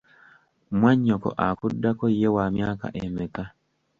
Mwannyoko akuddako ye wa myaka emeka?